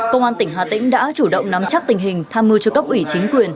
công an tỉnh hà tĩnh đã chủ động nắm chắc tình hình tham mưu cho cấp ủy chính quyền